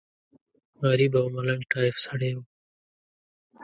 غریب او ملنګ ټایف سړی و.